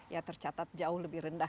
ya tercatat jauh lebih rendah